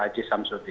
pak aceh samsudin